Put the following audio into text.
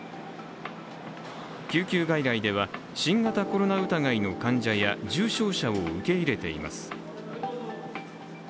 救急外来では、新型コロナ疑いの患者や重症者を受け入れています。